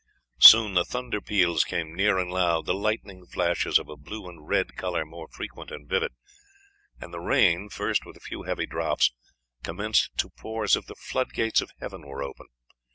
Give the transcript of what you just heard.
Soon the thunder peals came near and loud, the lightning flashes, of a blue and red color, more frequent and vivid; and the rain, first with a few heavy drops, commenced to pour as if the floodgates of heaven were open.